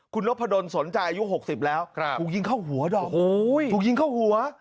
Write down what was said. คุณนพดลสนใจอายุ๖๐แล้วถูกยิงเข้าหัวดอมถูกยิงเข้าหัว